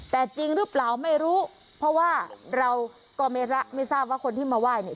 แต่จริงหรือเปล่าไม่รู้เพราะว่าเราก็ไม่ทราบว่าคนที่มาไหว้เนี่ย